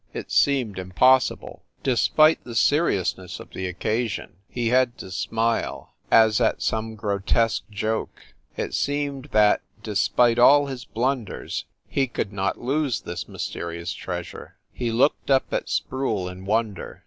It seemed impossible. Despite the seriousness of the 292 FIND THE WOMAN occasion, he had to smile, as at some grotesque joke. It seemed that, despite all his blunders, he could not lose this mysterious treasure. He looked up at Sproule in wonder.